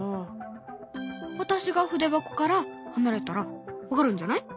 私が筆箱から離れたら分かるんじゃない？